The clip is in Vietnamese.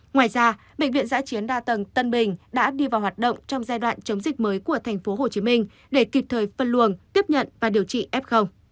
ngoài ra bệnh viện giã chiến đa tầng tân bình đã đi vào hoạt động trong giai đoạn chống dịch mới của tp hcm để kịp thời phân luồng tiếp nhận và điều trị f